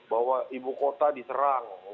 bahwa ibu kota diserang